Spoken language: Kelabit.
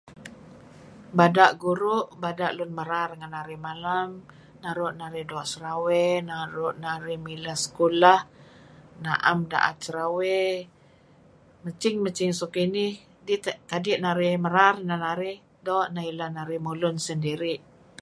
Bada' guru' bada' lun merar ngan narih malem, naru' narih doo' serawey, naru' narih doo mileh sekulah, na'em da'at serawey. Meching-meching so kinih kadi merar neh narih doo' neh ilah narih mulun sendiri'.